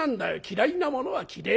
嫌いなものは嫌え